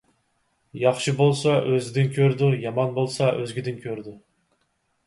ياخشى بولسا ئۆزىدىن كۆرىدۇ، يامان بولسا ئۆزگىدىن كۆرىدۇ.